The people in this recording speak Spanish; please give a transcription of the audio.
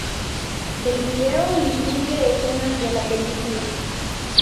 El video incluye escenas de la película.